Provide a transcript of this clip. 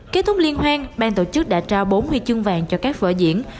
kết thúc liên hoan bang tổ chức đã trao bốn huy chương vàng cho các vở diễn